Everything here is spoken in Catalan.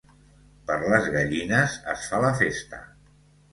Per les gallines es fa la festa